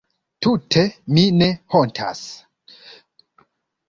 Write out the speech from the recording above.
Tute mi ne hontas!